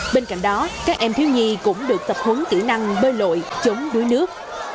bên cạnh đó các em thiếu nhi cũng được tập huấn kỹ năng bơi lội chống đuối nước